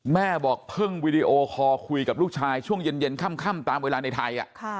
แม่บอกเพิ่งวีดีโอคอลคุยกับลูกชายช่วงเย็นค่ำตามเวลาในไทย